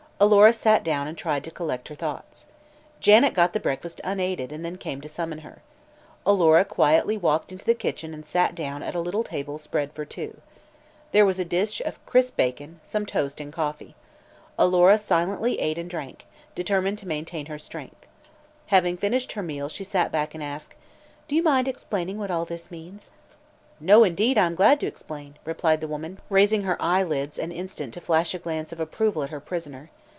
Alora sat down and tried to collect her thoughts. Janet got the breakfast unaided and then came to summon her. Alora quietly walked into the kitchen and sat down at a little table spread for two. There was a dish of crisp bacon, some toast and coffee. Alora silently ate and drank, determined to maintain her strength. Having finished her meal she sat back and asked: "Do you mind explaining what all this means?" "No, indeed; I'm glad to explain," replied the woman, raising her eyelids an instant to flash a glance of approval at her prisoner.